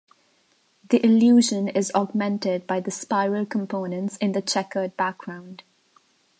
The illusion is augmented by the spiral components in the checkered background.